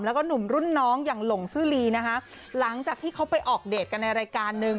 แล้วก็หนุ่มรุ่นน้องอย่างหลงซื่อลีนะคะหลังจากที่เขาไปออกเดทกันในรายการนึง